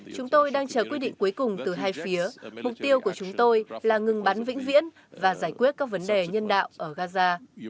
chúng tôi đang chờ quyết định cuối cùng từ hai phía mục tiêu của chúng tôi là ngừng bắn vĩnh viễn và giải quyết các vấn đề nhân đạo ở gaza